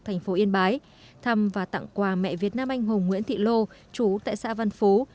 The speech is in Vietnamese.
thành phố yên bái thăm và tặng quà mẹ việt nam anh hùng nguyễn thị lô chú tại xã văn phú